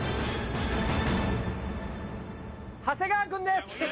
長谷川君です。